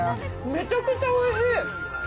めちゃくちゃおいしい。